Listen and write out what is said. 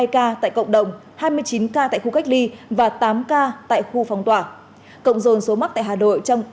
hai ca tại cộng đồng hai mươi chín ca tại khu cách ly và tám ca tại khu phong tỏa cộng dồn số mắc tại hà nội trong